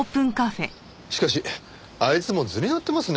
しかしあいつも図に乗ってますね。